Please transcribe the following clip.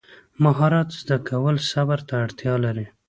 مهارت زده کول صبر ته اړتیا لري.